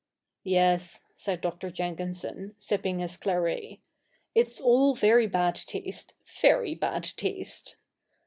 ' Yes,' said Dr. Jenkinson, sipping his claret, ' it's all very bad taste — very bad taste.'